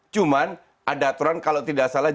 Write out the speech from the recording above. cuman ada aturan kalau tidak salah